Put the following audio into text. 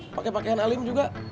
pake pakean alim juga